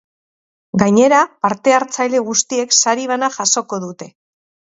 Gainera, parte hartzaile guztiek sari bana jasoko dute.